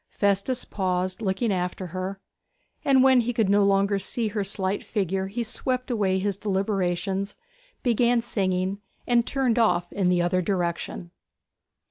Festus paused, looking after her; and when he could no longer see her slight figure he swept away his deliberations, began singing, and turned off in the other direction.